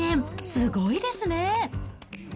すごいですね。